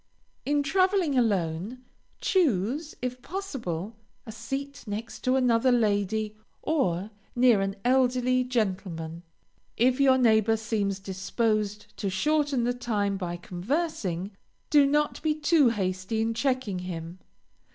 In traveling alone, choose, if possible, a seat next to another lady, or near an elderly gentleman. If your neighbor seems disposed to shorten the time by conversing, do not be too hasty in checking him.